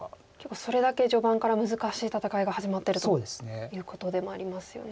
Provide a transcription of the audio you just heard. それだけ序盤から難しい戦いが始まってるということでもありますよね。